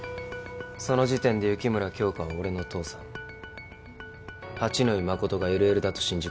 その時点で雪村京花は俺の父さん八野衣真がＬＬだと信じ込んでいた。